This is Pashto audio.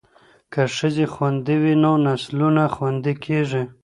که ښځې خوندي وي نو نسلونه خوندي کیږي.